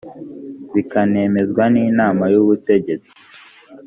bikanemezwa n inama y ubutegetsi